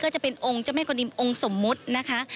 จะเป็นองค์เจ้าแม่กนิมองค์สมมุตินะคะ